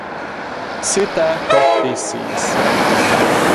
Sitä kohti siis.